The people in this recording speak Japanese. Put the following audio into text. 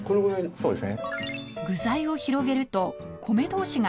そうですね。